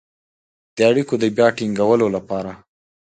د اړیکو د بيا ټينګولو لپاره